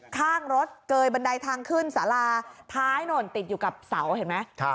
ข้างรถเกยบันไดทางขึ้นสาราท้ายโน่นติดอยู่กับเสาเห็นไหม